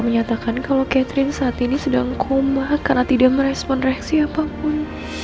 menyatakan kalau catherine saat ini sedang koma karena tidak merespon reaksi apapun